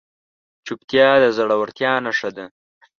چوپتیا، د زړورتیا نښه ده.